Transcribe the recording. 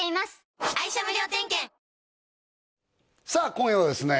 今夜はですね